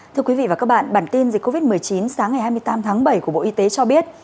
thưa quý vị và các bạn bản tin dịch covid một mươi chín sáng ngày hai mươi tám tháng bảy của bộ y tế cho biết